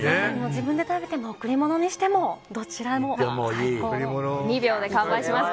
自分で食べても贈り物にしてもどちらでも最高です。